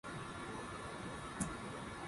I'm very sensitive to the texture of fabrics.